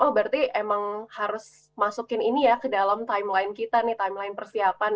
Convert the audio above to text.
oh berarti emang harus masukin ini ya ke dalam timeline kita nih timeline persiapan